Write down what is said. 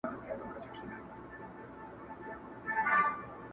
له قاضي تر احوالداره له حاکم تر پیره داره٫